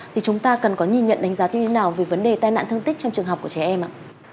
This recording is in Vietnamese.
thì chúng ta cần có nhìn nhận đánh giá như thế nào về vấn đề tai nạn thương tích trong trường học của trẻ em ạ